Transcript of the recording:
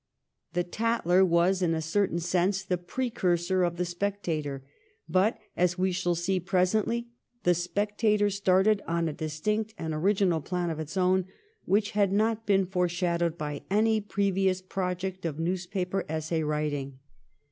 * The Tatler ' was in a certain sense the precursor of ' The Spectator '; but, as we shall see presently, ' The Spectator ' started on a distinct and original plan of its own which had not been fore shadowed by any previous project of newspaper essay writing.